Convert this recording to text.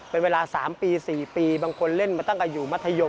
เป็นเวลา๓ปี๔ปีบางคนเล่นมาตั้งแต่อยู่มัธยม